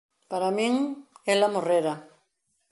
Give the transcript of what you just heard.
Para min, ela morrera.